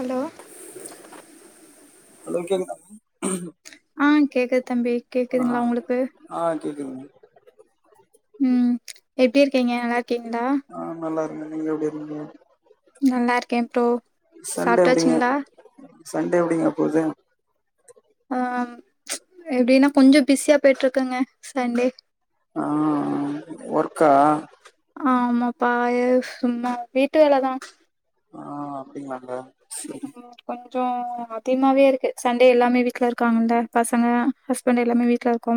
Hello hello கேக்குதா ma'am ஆ கேக்குது தம்பி கேக்குதுங்ளா உங்களுக்கு ஆ கேக்குதுங் மேம் ம் எப்டி இருக்கீங்க நல்லாருக்கீங்ளா ஆ நல்லாருக்கே நீங்க எப்டி இருக்கீங்க நல்லாருக்கே ப்ரோ சண்டே எப்டிங்க சாப்ட்டாச்சுங்களா சண்டே எப்டிங்க போது ஆ எப்டின்னா கொஞ்சோ பிஸியா போய்ட்ருக்குங்க சண்டே ஆ ஆ ஒர்க்கா ஆமாப்பா ஐயோ சும்மா வீட்டு வேல தா ஆ அப்டிங்களாங்க செரி உ கொஞ்சோ அதிகமாவே இருக்கு சண்டே எல்லாமே வீட்ல இருக்காங்கல்ல பசங்க ஹஸ் பண்ட் எல்லாமே வீட்ல இருக்கோ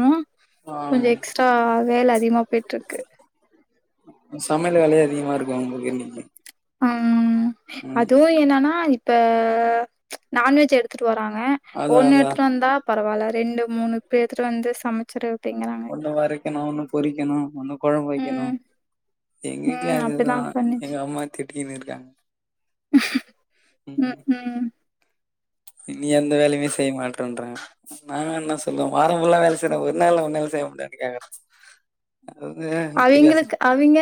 ஆ கொஞ்ச எக்ஸ்ட்ரா வேல அதிகமா போயிட்ருக்கு சமையல் வேலையே அதிகமா இருக்கு உங்களுக்கு இன்னிக்கு அம் அதுவு என்னன்னா இப்ப நான் வெஜ் எடுத்துட்டு வராங்க அதா ஒன்னு அதா எடுத்துட்டு வந்தா பரவால்ல ரெண்டு மூணு போய் எட்த்துட்டு வந்து சமச்சுரு ஒன்னு வரைக்கணு, ஒன்னு பொரிக்கணு ஒன்னு கொழம்ப் வெக்கணு ம் எங்க வீட்லயு ம் அதே தா அப்டிதா பண்ணுச்சு எங்கம்மா திட்டீனுருக்காங்க ஹம் நீ எந்த வேலய்மே செய்ய மாட்டன்ற நாங்க என்ன சொல்லுவோ வாரோ ஃபுல்லா வேல செய்றோ ஒரு நாள்ல உன்னால செய்ய முடியாதுனு கேக்கறாங் அது வந்து இப்டி பேசர்ன் அவிங்களுக்கு அவிங்க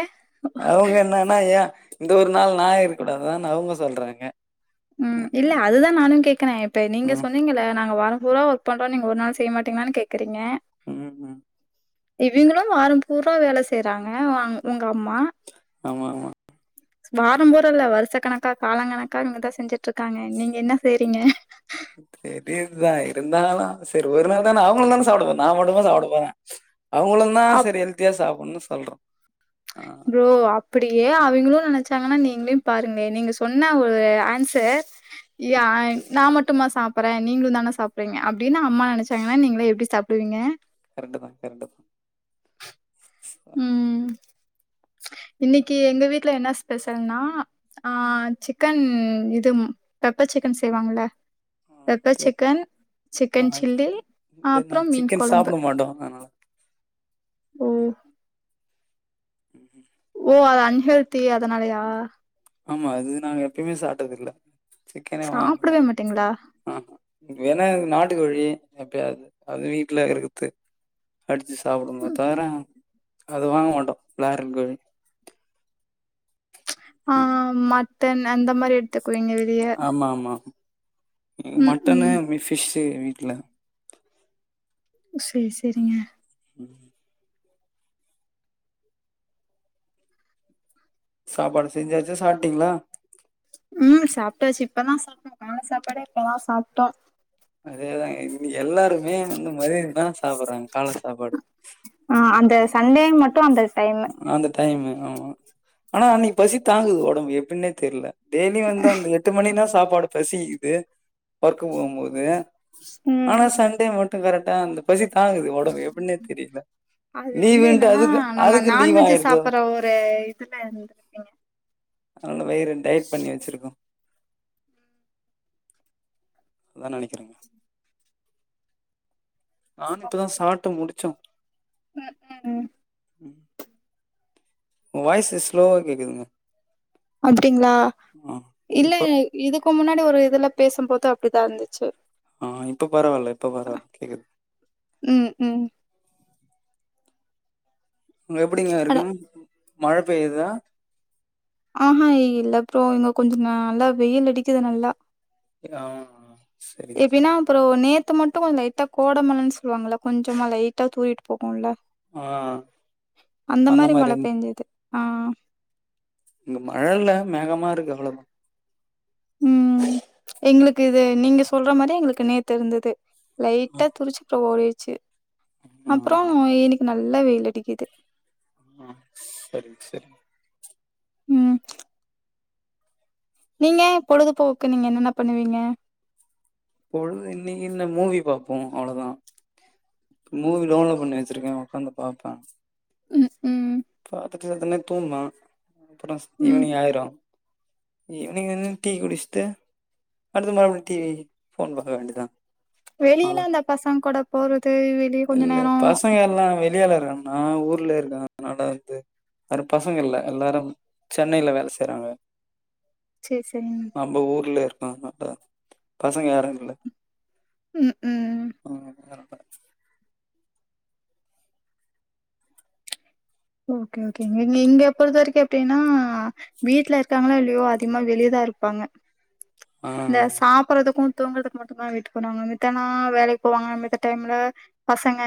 அவங்க என்னன்னா ஏ இந்த ஒரு நாள் நா இருக்க கூடாதான் அவங்க சொல்றாங்க ம் இல்ல அது தா நானு கேக்கறே இப்ப நீங்க ம் சொன்னீங்கல்ல நாங்க வாரம் பூரா வொர்க் பண்றோ நீங்க ஒரு நாள் செய்யமாட்டீங்களானு கேக்கறீங்க ம் ம் இவிங்களு வாரம் பூரா வேல செய்யறாங்க வாங் உங்கம்மா ஆமா ஆமா வாரம் பூரா இல்ல வர்ஷ கணக்கா காலங்கணக்கா இவுங்க தா செஞ்சிட்ருக்காங்க நீங்க என்ன செய்றீங்க தெரியுதுதா இருந்தாலு செரி ஒரு நாள் தான அவுங்கள தானே சாப்டபோறே நா மட்டுமா சாப்டபோறே அவுங்கள தா அப் செரி ஹெல்த்தியா சாப்புன்னு சொல்றோ ஆ ப்ரோ அப்டியே அவிங்களு நெனைச்சாங்கன்னா நீங்கிலியு பாருங்களே நீங்க சொன்ன ஒரு ஆன்சர் ய நா மட்டும்மா சாப்பறே நீங்களு தானே சாப்பிறீங்க அப்டின்னு அம்மா நெனைச்சாங்கன்னா நீங்கள எப்டி சாப்டுவீங்க கரெட்டு தா கரெட்டு தா ம் இன்னைக்கி எங்க வீட்டுல என்ன ஸ்பெஷல்னா ஆ சிக்கன் இது பெப்பர் சிக்கன் செய்வாங்கள பெப்பர் சிக்கன் ஆ சிக்கன் சில்லி இல்ல அப்றோ நாங்க மீன் சிக்கன் கொழம்பு சாப்ட மாட்டோ அதனால ஓ ம் ஹ்ம் ஓ அது அன்ஹெல்த்தி அதனாலயா ஆமா அது நாங்க எப்மே சாப்ட்டது இல்ல சிக்கனே வாங்குவோ சாப்டவே மாட்டீங்களா ஆ வேணா நாட்டு கோழி எப்பயாவது அதுவு வீட்டுல இருக்கத்து அடிச்சு சாப்புடுவோமே ம், தவர அது வாங்க மாட்டோ பிலாய்லர் கோழி ஆ ம் மட்டன் அந்த மாரி எடுத்துக்குவீங்க வெளிய மமாம் ம் ம் மட்டன்னு வீ ஃபிஷ் வீட்டுல செரி செரிங்க ம் சாப்பாடு செஞ்சாச்ச சாப்ட்டீங்களா ம் சாப்ட்டாச்சு இப்பதா சாப்ட்டோ கால சாப்பாடே இப்பதா சாப்ட்டோ அதேதாங்க இங்க எல்லாருமே வந்து மதியத்துக் தா சாப்டுறாங்க கால சாப்பாடு ஆ அந்த சண்டே மட்டு அந்த டைம் அந்த டைமு ஆமா ஆனா அன்னக்கி பசி தாங்குது ஒடம்பு எப்பின்னே தெர்ல டெய்லியு வந்து அந்த எட்டு மணின்னா சாப்பாடு பசிக்குது ஒர்க்கு போம்போது ஆனா ம் சண்டே மட்டு கரெக்டா அந்த பசி தாங்குது ஒட டம்பு எப்பின்னே தெரியில அது வந்து லீவுன்ட்டு என்னன்னா அதுக்கு நம்ம அதுக்கு லீவ் நான்வெஜ் ஆயிருதோ சாப்புற ஒரு இதுல இருந்து அதுனால வயிற டயட் பண்ணி வச்சிருக்கோ அதா நனைக்கிறேங்க நானு இப்பதா சாப்ட்டு முடிச்சோ ம் ம் வாய்ஸ்ஸு ஸ்லோவா கேக்குதுங்க அப்டிங்களா ஆ இல்ல இப்ப இதுக்கு முன்னாடி ஒரு இதுல பேசும்போது அப்டிதா இருந்துச்சு ஆ இப்ப பரவால்ல இப்ப பரவால்ல கேக்குது ம் ம் ங்க எப்டிங்க அட இருக்கு மழ பெய்யுதா ஆஹான் இல்ல ப்ரோ இங்க கொஞ்சோ நல்லா வெய்யில் அடிக்குது நல்லா ஆ சரிங்க எப்டின்னா சரி ப்ரோ நேத்து மட்டு கொஞ்சோ லைட்டா கோடமழன்னு சொல்லுவாங்களல்ல கொஞ்சமா லைட்டா தூறிட்டு போகுல்ல ஆ அந்த மாரி மழ பெஞ்சுது ஆ இங்க மழல்ல மேகமாருக்கு அவ்ளோ தா ம் எங்களுக்கு இது நீங்க சொல்ற மாரி எங்களுக்கு நேத்து இருந்தது லைட்டா துரிச்சு அப்றோ ஓடிடுச்சு ம் அப்றோ அப்டி இன்னிக்கி நல்லா வெய்யில் அடிக்குது [unintelligible] சரிங் சரிங் ம் நீங்க பொழுதுபோக்கு நீங்க என்னென்ன பண்ணுவீங்க பொழுது இன்னைக்கி என்ன மூவி பாப்போ அவ்ளோதா மூவி டவுன்லோட் பண்ணி வச்சிருக்கே ஒக்காந்து பாப்பே ம் ம் பாத்துட்டு செத்த நேரோ தூங்னா அப்ரோ ம் ஈவ்னிங் ஆயிரு ஈவ்னிங் வன்னு டீ குடிச்ட்டு அடுத்து மறுப்டி டி வி ஃபோன் பாக்க வேண்டிதா வெளியிலா அந்த பசங்கூட போறது வெளிய கொஞ்ச இல்ல நேரோ பசங்க எல்லா வெளியால இருக்காங் நா ஊர்லருக்கே ஆனால வந்து வேற பசங்க இல்ல எல்லாரு சென்னைல வேல செய்றாங்க சே சேரி நம்ப ஊர்ல இருக்கனால பசங்க யாரு இல்ல ம் ம் ம் ஓகே ஓகேங்க நீங்க இங்க பொருத்தவரைக்கு எப்டின்னா வீட்லருக்காங்ளோ இல்லயோ அதிகமா வெளியதாருப்பாங்க ஆ இந்த சாப்பறதுக்கு தூங்கறதுக்கு மட்டுந்தா வெயிட் பண்ணுவாங்க மித்தனா வேலைக்கு போவாங்க மித்த டைம்ல பசங்க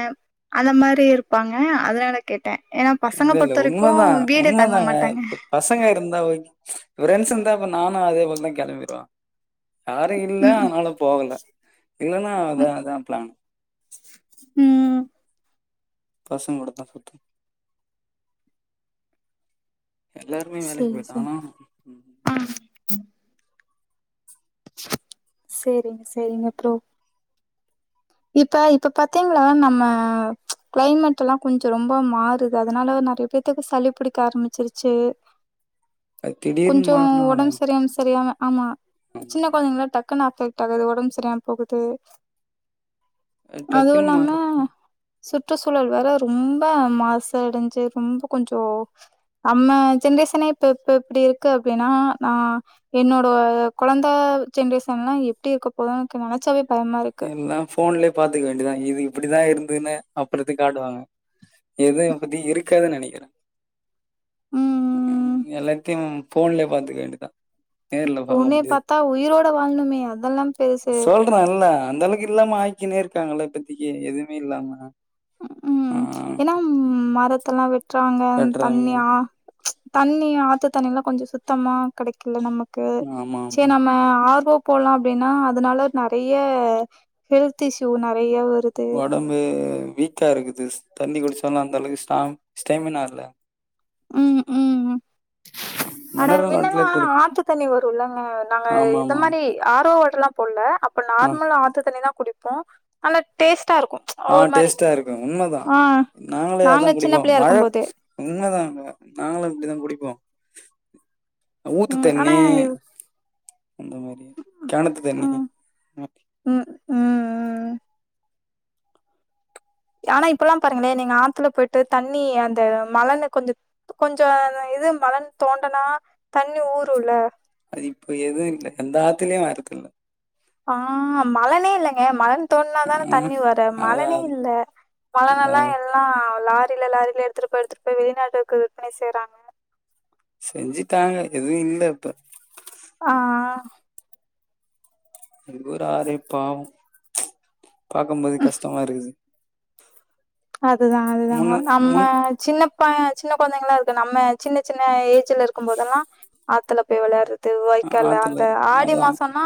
அந்த மாரி இருப்பாங்க அதனால கேட்டே ஏனா பசங்க இல்ல இல்ல பொறுத்த வரைக்கு உண்மதா வீடு தங்க உண்மதாங்க மாட்டாங்க இப்ப பசங்க இருந்தா ஓகே ஃப்ரெண்டஸ் இருந்தா இப்ப நானு அதே போலதா கெளம்பிருவ யாரு இல்ல ம் அன்னால போகல இல்லன்னா அதா ம் அதா ப்ளான் ம் பசங்களோட தா சுத்து எல்லாருமே வேலைக்கு சேரி போயிட்டானா சேரி சேரிங்க சேரிங்க ப்ரோ இப்ப இப்ப பாத்தீங்களா நம்ம கிளைமெட்லா கொஞ்சொ ரொம்ப மாறுது அதனால நறைய பே த்துக்கு சளி பிடிக்க ஆரம்பிச்சிருச்சு அது திடீர்னு கொஞ்சோ மாறுனாலே ஒடம்சர்யாம சரியாம ஆமா சின்ன கொழந்தைங்கள டக் குன் அஃபெக்ட் ஆகுது ஒடம்சரியாம போகுது அ அதுவு டக்குனு மரு இல்லாம சுற்றுச்சூழல் வேற ரொம்ப மாசடஞ்சு ரொம்ப கொஞ்சோ நம்ம ஜென்ரேஷனே இப்ப இப்ப எப்டி இருக்கு அப்படின்னா நா என்னோட கொழந்த ஜென்ரேஷன்ல்லா எப்டி இருக்க போதோ எனக்கு நெனைச்சாவே பயமா இருக்கு போன்லயே பாத்துக்க வேண்டியதா இது இப்டிதா இருந்ததுன்னு அப்புடித்த காட்டுவாங்க எதுவு இபத்தி இருக்காதுன் நெனைக்கிறே ம் எல்லாத்தையு போன்லயே பாத்துக்க வேண்டிதா உன்னய பாத்தா உயிரோட வாழ்னுமே அதல்லா பேசு த்தறோ இல்ல அந்த அளவுக்கு இல்லாம ஆக்கின்னே இருக்காங்கள்ள இப்பத்திக்கு எதுமே இல்லாம ஆ ம் ஏனா மரத்தல்லா வெட்றாங்க வெட்றாங்க. தண்ணி ஆ தண்ணி ஆத்து தண்ணில்லா கொஞ்சோ சுத்தமா கிடைக்கல நமக்கு கு ஆமா ச்சே ஆமா. நம்ம ஆர் ஓ போலா அப்டின்னா அதுனால நெறைய ஹெல்த் இஸ்யூ நெறைய வ ஒடம்பு வீக்கா இருக்குது தண்ணி குடுச்சாலு அந்த அளவுக்கு ஸ்ராங் ஸ்டேமினா இல்ல ம் ம் அட மினரல் என்னனா வாட்டர்ல குடி ஆத்து தண்ணி வரு இல்லங்க நாங்க இந்த ஆமாமா. மாரி ஆர் ஓ வாட்டர்லா போடல இப்ப ஆ. நார்மலா ஆத்து தண்ணி தா குடிப்போ நல்லா டேஸ்ட்டா இருக்கு ஆ ஒரு மாரி டேஸ்ட்டா இருக்கு உண்மதா ஆ நாங்களே அதா நாங்க சின்ன குடிப்போ பிள்ளையா மழ இருக்கும் போது உண்மதாங்க நாங்களு இப்டிதா குடிப்போ ஊத்து ம் ஆனா தண்ணி அந்த மாரி கெனத்து தண்ணி ம் ம் ம் ம் ஆனா இப்பல்லா பாருங்களே நீங்க ஆத்துல போயிட்டு தண்ணி அந்த மலன்னு கொஞ்சோ கொஞ்சோ அந்த இது மணலு தோண்டுனா தண்ணி ஊருல்ல அது இப்ப எதூ இல்ல எந்த ஆத்துலயு வரதில்ல ஆ மலலே இல்லங்க மலன் தோட்னாதான ஆ தண்ணி வரு அதா மலனே இல்ல அதா மலனெல்லா எல் எல்லா லாரில லாரில எடுத்துட்டு போய் எடுத்துட்டு போய் வெளிநாட்டுக்கு விற்பனை செய்றாங்க செஞ்சுட்டாங்க எதூ இல்ல இப்ப ஆ எங்க ஊரு ஆறே பாவோ பாக்கம்போதே கஷ்டமா இருக்குது அதுதா அதுதா முன்ன நம்ம முன் சின்னப்பா சின்ன கொழந்தைங்கலா இருக்கு நம்ம சின்ன சின்ன ஏஜுல இருக்கும் போதெல்லா ஆத்துல போய் வெளாடுறது வாய்க்கால ஆத்துல அந்த ஆடி அதா மாசோன்னா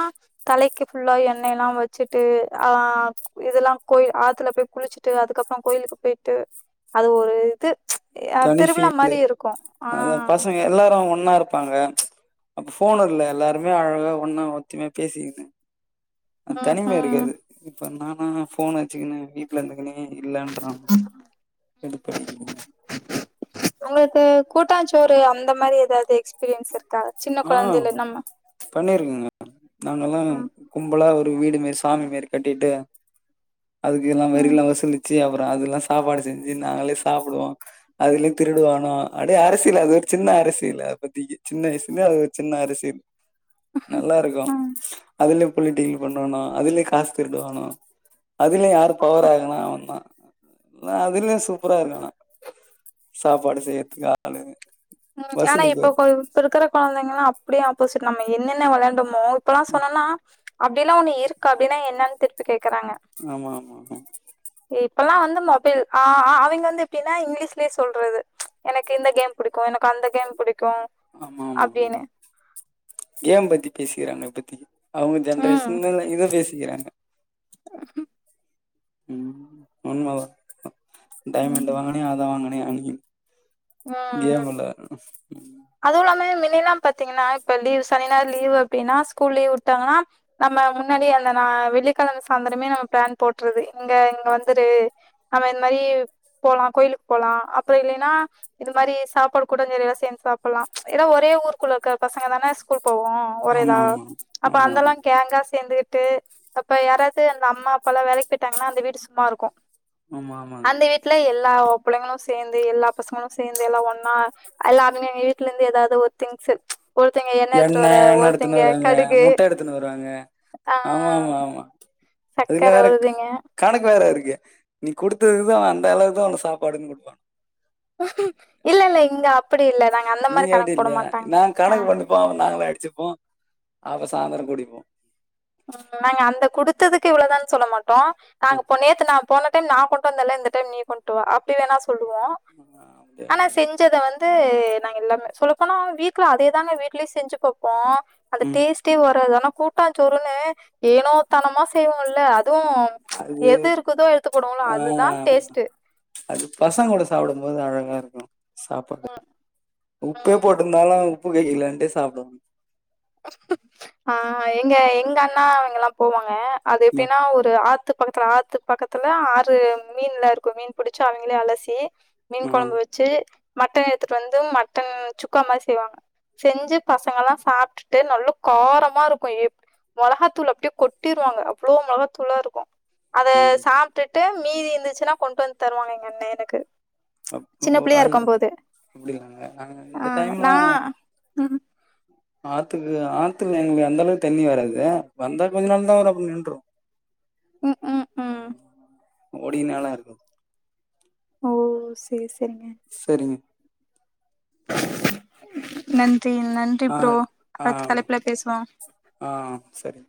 தலைக்கு ஃபுல்லா எண்ணெலா வச்சுட்டு ஆ இதெல்லா கோயில் ஆத்துல போய் குளிச்சுட்டு அதுக்கப்றோ கோயிலுக்கு போய்ட்டு அது ஒரு இது யா தனி திருவிழா ஃபீல் மாரி இருக்கு ஆ அதா பசங்க எல்லாரு ஒன்னா இருப்பாங்க அப்ப ஃபோன் இல்ல எல்லாருமே அழகா ஒன்னா ஒத்தும்யா பேசிகினு அந் ம், தனிம ம். இருக்காது இப்ப நானா ஃபோன் வச்சுக்கினு வீட் ட்ல இர்ந்துகினே இல்லன்றாங்க கடுப்படிக்குதுங்க ஒங்களுக்கு கூட்டாச்சோறு அந்த மாரி ஏதாவது எக்ஸ் கிரியன்ஸ் இருக்கா சின்ன ஆ கொழந்தேல நம்ம ம் கும்புலா ஒரு வீடு மாரி சாமி மாரி கட்டிட்டு அதுக்கு எல்லா ம் வரிலா வசூலிச் த்தி அவுரா அதெல்லா சாப்பாடு செஞ்சு நாங்களே சாப்புடுவோ அதுலே திருடுவானோ அடே அரசியல் அது ஒரு சின்ன அரசியல் அப்பத்தக்கி சின்ன வய்சு என்ன ஒரு சின்ன அரசியல் நல்லாருக்கு ம் அதுல பொலீக்ட்டீ பண்ணுவானா அதுலே காசு திருடுவானா அதுலே யாரு பவர் ஆகுனா அவே தா னா அதுல சூப்பராருக்கு ஆனா சாப்பாடு செய்றதுக்கு ஆளுங்க ம் ஆனா இப்பக்கொ இப்பருக்குற கொழந்தைங்கலா அப்டியே ஆப்போசிட் நம்ம என்னென்ன வெளாண்டம் மோ இப்பல்லா சொன்னன்னா அப்டிலா ஒண்ணு இருக்கா அப்டின்னா என்னன் திருப்பி கேக்குறாங்க ஆமா ஆமா ஆமா இப்பல்லா வந்து மொபைல் ஆ ஆ அவிங்க வந்து எப்டின்னா இங்கிலீஷ்லயே சொல்றது எனக்கு இந்த கேம் புடிக்கு எனக்கு அந்த கேம் புடிக்கு ஆமா ஆமா அப்டின்னு கேம் பத்தி பேசிக்கிறாங்க இப்பத்திக்கி அவுங்க ம் ஜென்ரேஷன்னுல இத பேசிக்கிறாங்க [unintelligible] ம் உண்ம தா டைமெண்டு ம் வாங்னே அத வாங்கனே அப்டிங்கிது கேமுல அதுவுல்லாம மின்னெலா பாத்தீங்கன்னா இப்ப லீவ் சனி ஞாயிறு லீ்வு அப்டின்னா ஸ்கூல் லீவ் விட்டாங்கன்னா நம்ம முன்னாடி அந்த நா வெள்ளிக்கெழம சாய்ந்தரமே நம்ம பிளான் போட்றது எங்க இங்க வந்துரு அவ இந்மாரி போலா கோயிலுக்கு போலா அப்பயில்லைன்னா இது மாரி சாப்பாடு கூட நிறையா சேந்து சாப்பல்லா ஏனா ஒரே ஊருக்குள்ள இருக்க பசங்க தானே ஸ்கூல் போவோ ஆமா ஒரேதா ஆமா அப்ப ஆமா அங்கெல்லா ஆமா கேங்கா சேந்துகிட்டு அப்ப யாராவது அந்த அம்மா அப்பாலா வேலைக்கு போய்ட்டாங்கன்னா அந்த வீடு சும்மாருக்கு ஆமா ஆமாங்க ட்ல எல்லா புள்ளைங்களு சேந்து எல்லா பசங்களு சேந்து எல்லா ஒன்னா எல்லா அவிங்க அவிங்க வீட்ல இந்து ஏதாவது ஒரு திங்ஸ்சு எண்ண எண்ண எடுத்துனு வருவாங்க கடுகு முட்ட எடுத்துனு வருவாங்க ஆ ஆமா ஆமா ஆமா சக்கர அதுல வேறக் ஒருதிங்க கணக்கு வேற அதுக்கு நீ குடுத்ததுக்கு தா அவ அந்த அளவு தா ஒனக் சாப்பாடுனு கொடுப்பாங் இல்ல இல்ல இங்க அ நீங்க அப்டி இல்லையா நாங் கணக்கு ஆஹ பண்ணுப்போ அப்றோ நாங்களே அடிச்சுப்போ அப்ப சாந்தரோ கூடிப்போ ம் நாங்க அந்த குடுத்ததுக்கு இவ்வளோதான் சொல்ல மாட்டோ ஆ நாங்க பொ நேத்து நா போன டைம் நா கொண்ட்டு வந்தேல இந்த டைம் நீ கொண்ட்டு வா அப்டி வேணா சொல்லுவோ ஆமா ஆமா அப்டே நாங்க பண்ணுவோ ஞ்சத வந்து நாங்க எல்லாமே சொல்ல போனா வீக்ல அதேதான வீட்லுயு செஞ்சு பாப்போ அந்த ம் டேஸ்ட்டே வராது ஆனா கூட்டாஞ்சோறுனு ஏனோ தனமா செய்வோம்ல்ல அதுவு அது எது இருக்குதோ எடுத்து போடுவோல ஆ அதுதா டேஸ்ட்டு அது பசங் கூட சாப்டும்போது அழகா இருக்கு சாப்பாடு ம், உப்பே ம். போட்டுந்தாலு உப்பு கக்கிலனுட்டு சாப்டு ஆ எங்க எங்க அண்ணா அவிங்கல்லா போவாங்க அது ம் எப்டினா ஒரு ஆத்து பக்கத்துல ஆத் து பக்கத்துல ஆறு மீன்லா இருக்கு மீன் புடிச்சு அவிங்களே அலசி மீன் ம் குழம்பு வ ச்சி மட்டன் எடுத்துட்டு வந்து மட்டன் சுக்கா மாரி செய்வாங்க செஞ்சு பசங்கல்லா சாப்ட்டுட் டு நல்ல காரமா இருக்கு எப் மொளகாத்தூள அப்டியே கொட்டிருவாங்க அவ்ளோ மொளகாத்தூளா இருக்கு அத ம் சாப்டுட்டு மீதி இருந்துச்சுன்னா கொண்ட்டு வந்து தருவாங்க எங்க அண்ணே எனக்கு அப்போ சின்ன புள்ளையா அது இருக்கும் போது அப்டிங்களாங்க நாங்க ஆ இந்த நா டைம்லாம் ம் ஆத்துக்கு ஆத்துல எங்களுகு அந்த அளவுக்கு தண்ணி வராது வந்தா கொஞ்ச நாள் தா வரு அப்றோ நின்று ம் ம் ம். ஓடிகனெலா இருக்கு ஓ சேரி சேரிங்க சரிங்க நன்றி நன்றி ஆ ப்ரோ ஆ அடுத்த தலைப்புல பேசுவோ ஆ சரி